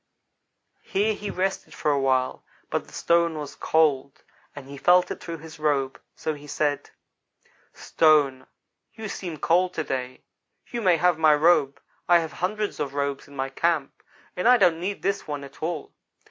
Here he rested for a while, but the stone was cold, and he felt it through his robe; so he said: "'Stone, you seem cold to day. You may have my robe. I have hundreds of robes in my camp, and I don't need this one at all.'